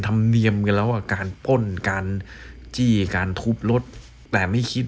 ธรรมเนียมกันแล้วว่าการป้นการจี้การทุบรถแต่ไม่คิด